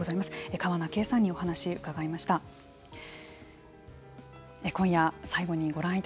川名敬さんにお話を伺いました。